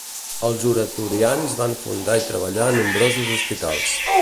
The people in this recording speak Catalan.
Els oratorians van fundar i treballar a nombrosos hospitals.